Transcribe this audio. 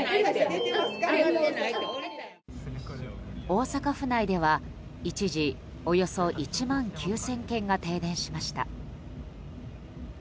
大阪府内では一時およそ１万９０００軒が停電しました。